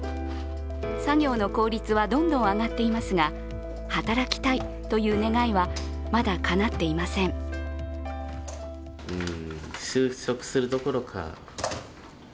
作業の効率はどんどん上がっていますが働きたいという願いはまだかなっていません。